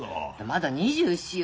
まだ２４よ。